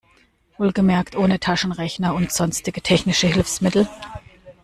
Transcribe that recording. Wohlgemerkt ohne Taschenrechner und sonstige technische Hilfsmittel.